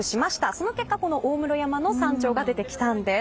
その結果、この大室山の山頂が出てきたんです。